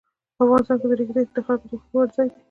افغانستان کې د ریګ دښتې د خلکو د خوښې وړ ځای دی.